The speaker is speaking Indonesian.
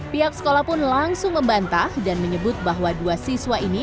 pihak sekolah pun langsung membantah dan menyebut bahwa dua siswa ini